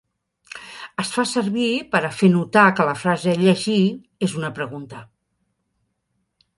Es fa servir per a fer notar que la frase a llegir és una pregunta.